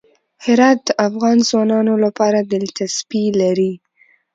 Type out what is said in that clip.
هرات د افغان ځوانانو لپاره دلچسپي لري.